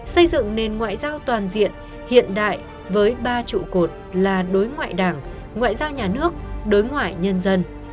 xây dựng nền ngoại giao toàn diện hiện đại với ba trụ cột là đối ngoại đảng ngoại giao nhà nước đối ngoại nhân dân